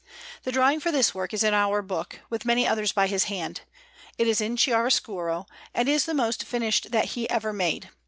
The drawing for this work is in our book, with many others by his hand; it is in chiaroscuro, and is the most finished that he ever made.